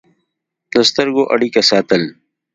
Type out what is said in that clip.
د سترګو اړیکه ساتل